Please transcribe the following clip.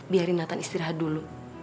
biarin nathan istirahat dulu